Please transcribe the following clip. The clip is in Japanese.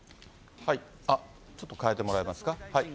ちょっと変えてもらえますか。